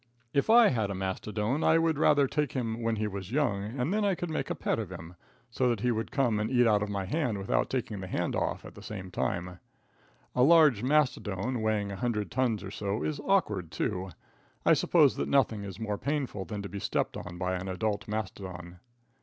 If I had a mastodon I would rather take him when he was young, and then I could make a pet of him, so that he could come and eat out of my hand without taking the hand off at the same time. A large mastodon weighing a hundred tons or so is awkward, too. I suppose that nothing is more painful than to be stepped on by an adult mastodon.